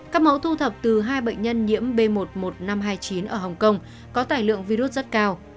các mẫu thu thập từ hai bệnh nhân nhiễm b một một năm trăm hai mươi chín ở hồng kông có tải lượng virus rất cao